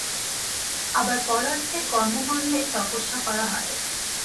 আবার পরার্থে কর্ম করলেই তপস্যা করা হয়।